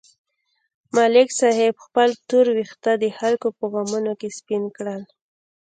ملک صاحب خپل تور وېښته د خلکو په غمونو کې سپین کړل.